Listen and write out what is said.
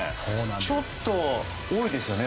ちょっと多いですよね